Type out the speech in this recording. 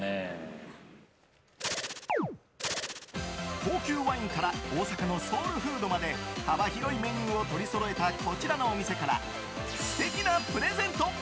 高級ワインから大阪のソウルフードまで幅広いメニューを取りそろえたこちらのお店から素敵なプレゼント！